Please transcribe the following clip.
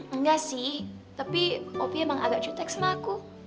enggak sih tapi opi emang agak cutek sama aku